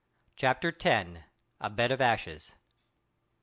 *Chapter X.* *A BED OF ASHES.